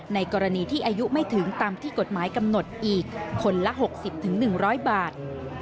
ในกรณีที่อายุไม่ถึงตามที่กฎหมายกำหนดอีกคนละ๖๐๑๐๐บาท